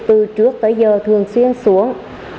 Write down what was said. từ trước tới giờ thường xuyên xuống